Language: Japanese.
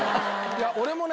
俺もね